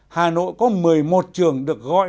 hà nội có một mươi một trường được gọi